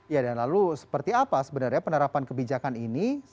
ya dan lalu seperti apa sebenarnya penerapan kebijakan ini